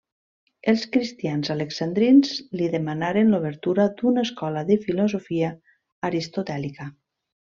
Els cristians alexandrins li demanaren l'obertura d'una escola de filosofia aristotèlica.